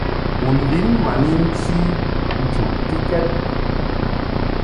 U lin ma ni nchi nchuʼtikɛd.